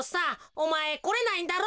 おまえこれないんだろ。